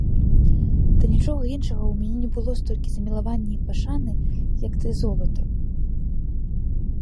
Да нічога іншага ў мяне не было столькі замілавання і пашаны, як да золата.